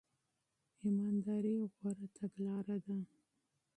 ایمانداري غوره تګلاره ده.